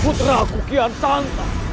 putra kukihan santai